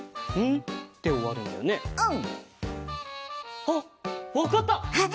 うん。あっわかった！